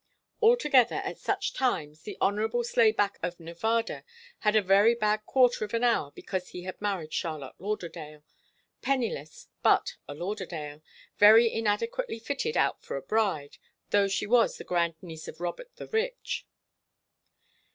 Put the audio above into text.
Altogether, at such times the Honourable Slayback of Nevada had a very bad quarter of an hour because he had married Charlotte Lauderdale, penniless but a Lauderdale, very inadequately fitted out for a bride, though she was the grand niece of Robert the Rich.